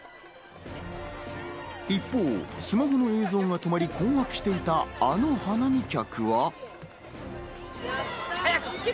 一方、スマホの映像が止まり、困惑していたあの花見客は。